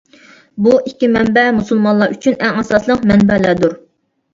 بۇ ئىككى مەنبە مۇسۇلمانلار ئۈچۈن ئەڭ ئاساسلىق مەنبەلەردۇر.